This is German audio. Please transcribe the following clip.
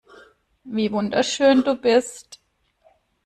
Wie wunderschön du bist.